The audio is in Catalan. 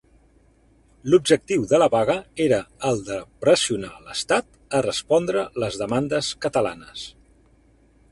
L'objectiu de la vaga era el de pressionar l'estat a respondre les demandes catalanes.